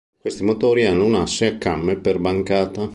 Questi motori hanno un asse a camme per bancata.